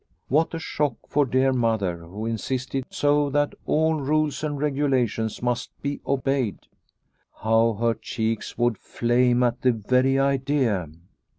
What a shock for dear Mother who insisted so that all rules and regulations must be obeyed ! How her cheeks would flame at the very idea